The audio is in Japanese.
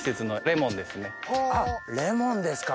あっレモンですか